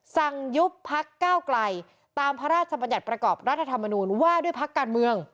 ยุบพักก้าวไกลตามพระราชบัญญัติประกอบรัฐธรรมนูญว่าด้วยพักการเมือง